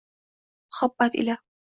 Muhabbat ila